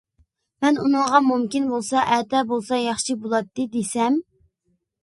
مەن ئۇنىڭغا مۇمكىن بولسا ئەتە بولسا ياخشى بولاتتى، دېسەم.